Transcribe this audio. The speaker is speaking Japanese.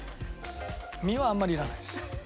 実はあんまりいらないです。